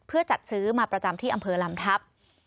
เพื่อจัดซื้อมาประจำที่อำเภอลำทัพ